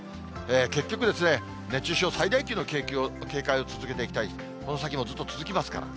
結局ですね、熱中症、最大級の警戒を続けていきたい、この先もずっと続きますから。